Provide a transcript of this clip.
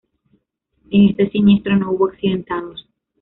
En este siniestro no hubo accidentados.